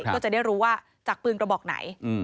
ก็จะได้รู้ว่าจากปืนกระบอกไหน